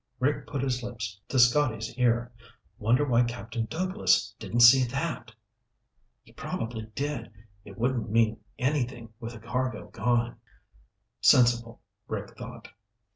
Rick put his lips to Scotty's ear. "Wonder why Captain Douglas didn't see that?" "He probably did. It wouldn't mean anything with the cargo gone." Sensible, Rick thought.